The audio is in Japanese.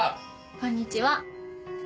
こんにちは。